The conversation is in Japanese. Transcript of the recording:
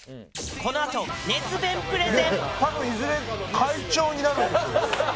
このあと熱弁プレゼン！